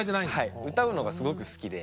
歌うのがすごく好きで。